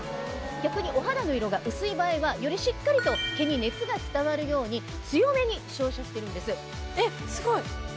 逆にお肌の色が薄い場合はよりしっかりと毛に熱が伝わるように強めに照射してるんです。